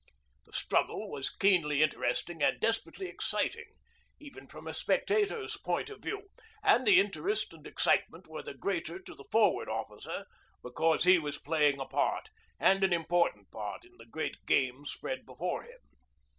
The struggle was keenly interesting and desperately exciting, even from a spectator's point of view; and the interest and excitement were the greater to the Forward Officer, because he was playing a part, and an important part, in the great game spread before him.